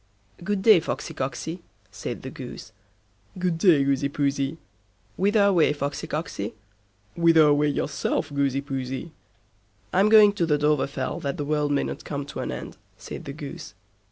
"Good day, Foxsy Cocksy", said the Goose. "Good day, Goosey Poosey." "Whither away, Foxy Cocksy?" "Whither away yourself, Goosey Poosey?" "I'm going to the Dovrefell that the world mayn't come to an end", said the Goose.